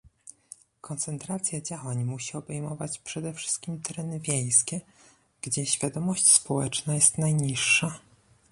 Koncentracja działań musi obejmować przede wszystkim tereny wiejskie, gdzie świadomość społeczna jest najniższa